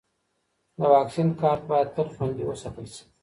د واکسین کارت باید تل خوندي وساتل شي.